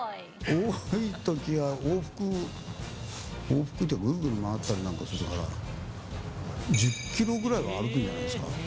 多いときは往復、往復って、ぐるぐる回ったりなんかするから、１０キロぐらいは歩くんじゃないですか。